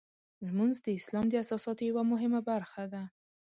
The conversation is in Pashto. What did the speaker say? لمونځ د اسلام د اساساتو یوه مهمه برخه ده.